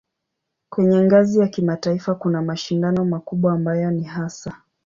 Kwenye ngazi ya kimataifa kuna mashindano makubwa ambayo ni hasa